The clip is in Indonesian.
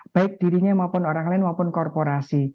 baik dirinya maupun orang lain maupun korporasi